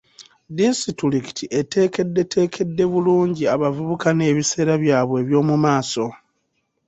Disitulikiti eteekeddeteekedde bulungi abavubuka n'ebiseera byabwe eby'omu maaso.